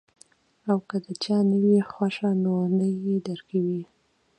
او کۀ د چا نۀ وي خوښه نو نۀ دې ورکوي -